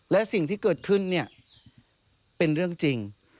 และสิ่งที่เกิดขึ้นเนี่ยเป็นเรื่องจริง